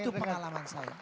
itu pengalaman saya